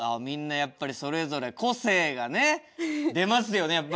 みんなやっぱりそれぞれ個性がね出ますよね